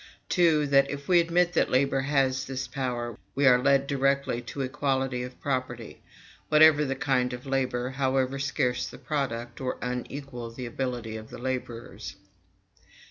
2. That, if we admit that labor has this power, we are led directly to equality of property, whatever the kind of labor, however scarce the product, or unequal the ability of the laborers.